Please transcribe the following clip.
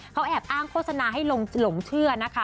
เขาแอบอ้างโฆษณาให้หลงเชื่อนะคะ